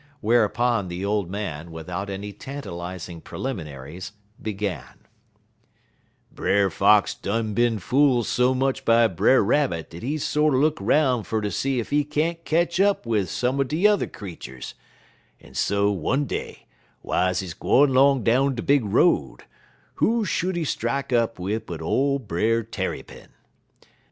Whereupon, the old man, without any tantalizing preliminaries, began: "Brer Fox done bin fool so much by Brer Rabbit dat he sorter look 'roun' fer ter see ef he can't ketch up wid some er de yuther creeturs, en so, one day, w'iles he gwine long down de big road, who should he strak up wid but old Brer Tarrypin.